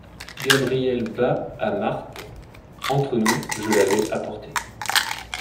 Gabriel bas à Marthe. — Entre nous, je l’avais apporté.